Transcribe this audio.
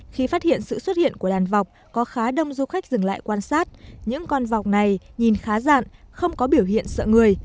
khi phát hiện sự xuất hiện của đàn vọc có khá đông du khách dừng lại quan sát những con vọc này nhìn khá dạn không có biểu hiện sợ người